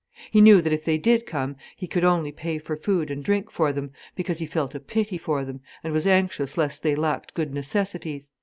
He knew that if they did come he could only pay for food and drink for them, because he felt a pity for them, and was anxious lest they lacked good necessities.